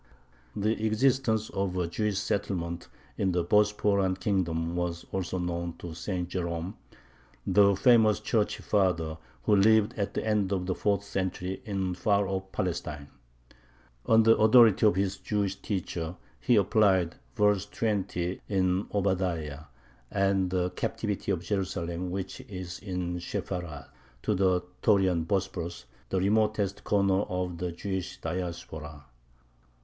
The existence of a Jewish settlement in the Bosporan kingdom was also known to St. Jerome, the famous Church father, who lived at the end of the fourth century in far off Palestine. On the authority of his Jewish teacher he applied verse 20 in Obadiah, "and the captivity of Jerusalem which is in Sepharad," to the Taurian Bosporus, the remotest corner of the Jewish Diaspora.